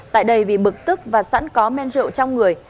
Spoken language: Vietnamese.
tại đây vì bực tức và sẵn có men rượu trong người